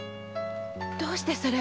どうしてそれを？